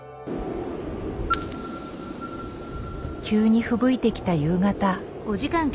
急にふぶいてきた夕方。